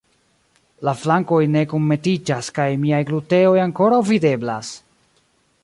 La flankoj ne kunmetiĝas kaj miaj gluteoj ankoraŭ videblas!